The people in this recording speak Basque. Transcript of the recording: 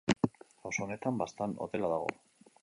Auzo honetan Baztan hotela dago.